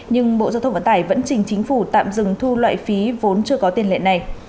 nhưng bộ giao thông vận tải vẫn trình chính phủ tạm dừng thu loại phí vốn chưa có tiền lệ này